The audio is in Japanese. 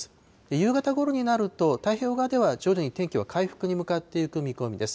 夕方ごろになると、太平洋側では徐々に天気は回復に向かっていく見込みです。